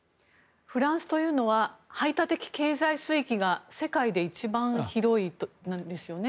フランスというのは排他的経済水域が世界で一番広いんですよね。